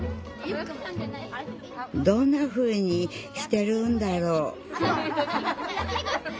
どんなふうにしてるんだろう